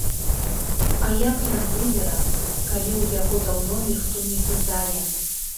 А як ён выбера, калі ў яго даўно ніхто не пытае.